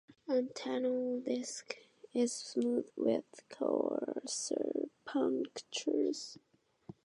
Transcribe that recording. Antennal disc is smooth with coarser punctures.